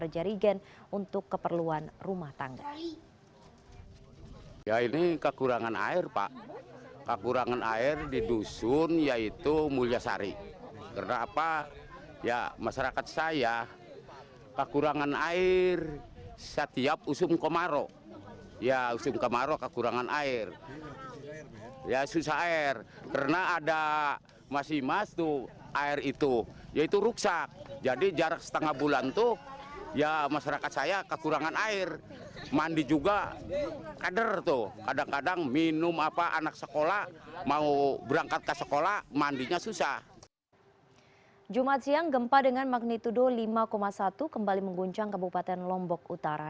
jumat siang gempa dengan magnitudo lima satu kembali mengguncang ke bupaten lombok utara